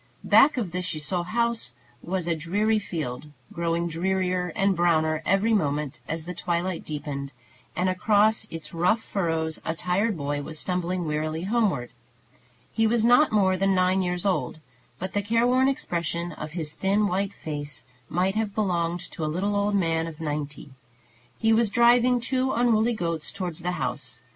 Back of the Ciseaux house was a dreary field, growing drearier and browner every moment as the twilight deepened; and across its rough furrows a tired boy was stumbling wearily homeward. He was not more than nine years old, but the careworn expression of his thin white face might have belonged to a little old man of ninety. He was driving two unruly goats towards the house.